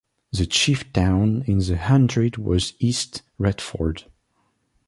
The chief town in the hundred was East Retford.